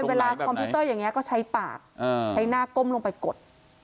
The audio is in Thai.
เวลาคอมพิวเตอร์อย่างนี้ก็ใช้ปากใช้หน้าก้มลงไปกด